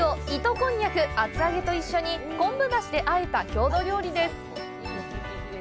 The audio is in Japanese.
こんにゃく、厚揚げと一緒に昆布出汁であえた郷土料理です。